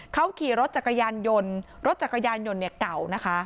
เขาขี่รถจักรยานยนต์รถจักรยานยนต์เนี่ยเก่านะคะ